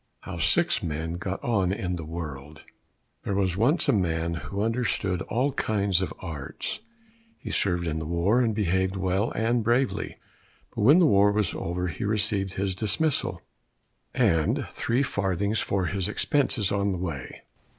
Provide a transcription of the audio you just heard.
71 How Six Men Got on in the World There was once a man who understood all kinds of arts; he served in war, and behaved well and bravely, but when the war was over he received his dismissal, and three farthings for his expenses on the way.